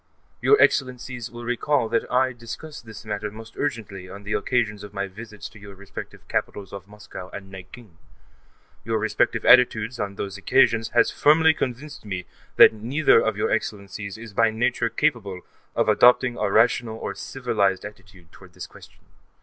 Your Excellencies will recall that I discussed this matter most urgently on the occasions of my visits to your respective capitals of Moscow and Nanking, and your respective attitudes, on those occasions, has firmly convinced me that neither of your Excellencies is by nature capable of adopting a rational or civilized attitude toward this question.